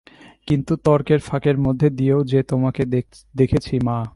কিন্তু তর্কের ফাঁকের মধ্যে দিয়েও যে তোমাকে দেখেছি, মা।